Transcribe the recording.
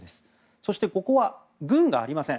そして、ここは軍がありません。